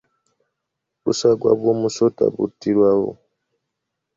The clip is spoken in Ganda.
Obusagwa bw’omusota buttirawo.